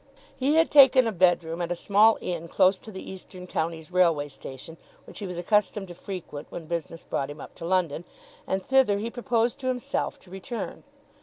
He had taken a bedroom at a small inn close to the Eastern Counties Railway Station which he was accustomed to frequent when business brought him up to London, and thither he proposed to himself to return.